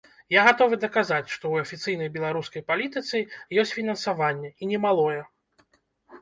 Я гатовы даказаць, што і ў афіцыйнай беларускай палітыцы ёсць фінансаванне, і немалое.